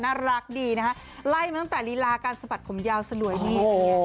น่ารักดีนะฮะไล่มาตั้งแต่ลีลาการสะบัดผมยาวสลวยนี่